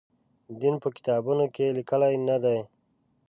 دین په کتابونو کې لیکلي نه دی.